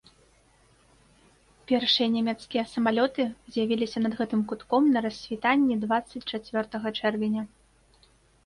Першыя нямецкія самалёты з'явіліся над гэтым кутком на рассвітанні дваццаць чацвёртага чэрвеня.